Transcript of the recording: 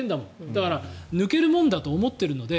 だから抜けるものだと思ってるので